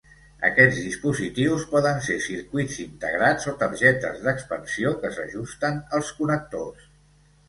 Aquests dispositius poden ser circuits integrats o targetes d'expansió que s'ajusten als connectors.